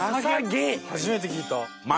初めて聞いた。